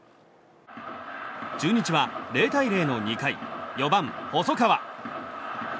中日は０対０の２回４番、細川。